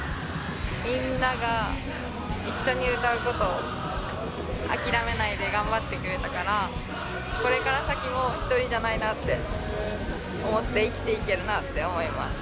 みんなが一緒に歌うことを諦めないで頑張ってくれたからこれから先も一人じゃないなって思って生きていけるなって思います。